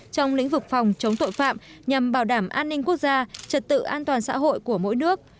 trong lĩnh vực phòng chống tội phạm nhằm bảo đảm an ninh quốc gia trật tự an toàn xã hội của mỗi nước